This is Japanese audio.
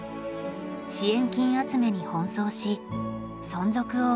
支援金集めに奔走し存続を訴えました。